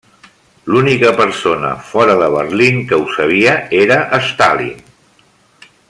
L'única persona fora de Berlín que ho sabia era Stalin.